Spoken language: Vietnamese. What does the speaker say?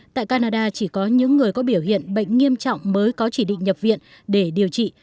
tại canada chỉ có những người có biểu hiện bệnh nghiêm trọng mới có chỉ định nhập viện để điều trị